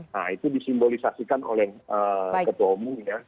nah itu disimbolisasikan oleh ketua umumnya